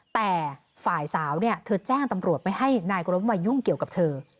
แต่ฝ่ายสาวเธอแจ้งตำรวจไปให้นายกรบมายุ่งเกี่ยวกับเธอ